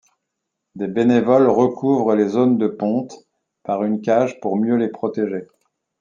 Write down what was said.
Des bénévoles recouvrent les zones de ponte par une cage pour mieux les protéger.